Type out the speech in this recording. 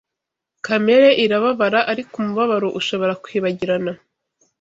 kamere irababara; ariko umubabaro ushobora kwibagirana